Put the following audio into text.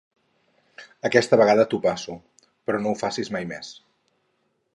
Aquesta vegada t'ho passo, però no ho facis mai més.